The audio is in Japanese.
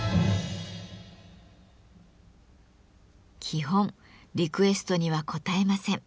基本リクエストには応えません。